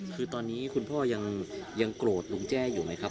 คือตอนนี้คุณพ่อยังโกรธลุงแจ้อยู่ไหมครับ